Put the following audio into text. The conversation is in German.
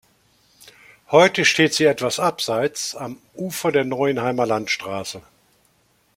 Heute steht sie etwas abseits am Ufer an der Neuenheimer Landstraße.